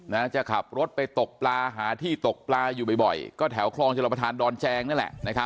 จะขับรถไปตกปลาหาที่ตกปลาอยู่บ่อยก็แถวคลองชลประธานดอนแจงนั่นแหละ